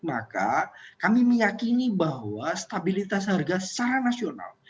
maka kami meyakini bahwa stabilitas harga secara nasional